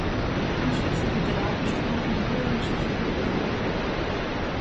Anschließend wird der Datenstrom an die höheren Schichten übergeben.